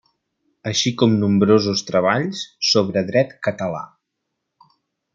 Així com nombrosos treballs sobre dret català.